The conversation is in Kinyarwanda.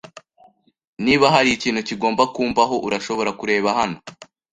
Niba hari ikintu kigomba kumbaho, urashobora kureba hano.